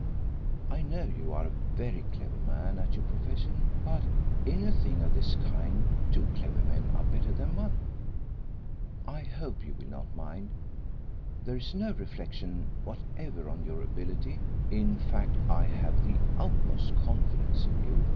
I know you are a very clever man at your profession, but in a thing of this kind two clever men are better than one. I hope you will not mind there is no reflection whatever on your ability. In fact, I have the utmost confidence in you.